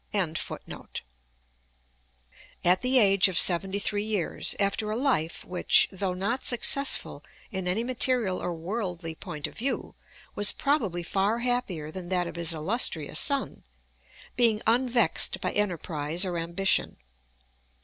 ] at the age of seventy three years, after a life which, though not successful in any material or worldly point of view, was probably far happier than that of his illustrious son, being unvexed by enterprise or ambition.